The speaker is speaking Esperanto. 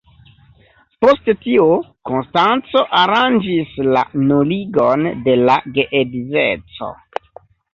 Post tio Konstanco aranĝis la nuligon de la geedzeco.